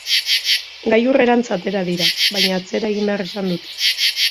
Gailurrerantz atera dira, baina atzera egin behar izan dute.